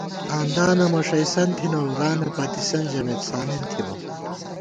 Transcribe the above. “آندانہ مَݭَئیسَن تھنَؤ رانَہ پَتِسن ژَمېت” سانېن تھِبہ